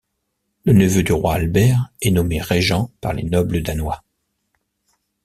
Le neveu du roi Albert est nommé régent par les nobles danois.